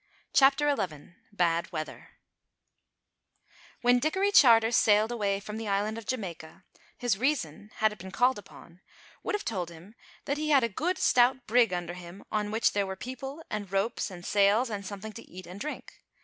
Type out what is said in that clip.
CHAPTER XI BAD WEATHER When Dickory Charter sailed away from the island of Jamaica, his reason, had it been called upon, would have told him that he had a good stout brig under him on which there were people and ropes and sails and something to eat and drink.